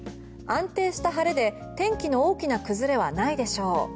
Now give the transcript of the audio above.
安定した晴れで天気の大きな崩れはないでしょう。